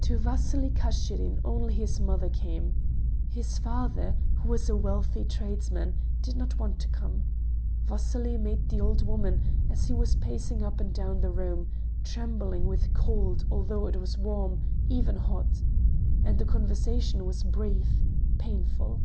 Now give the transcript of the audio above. To Vasily Kashirin only his mother came. His father, who was a wealthy tradesman, did not want to come. Vasily met the old woman, as he was pacing up and down the room, trembling with cold, although it was warm, even hot. And the conversation was brief, painful.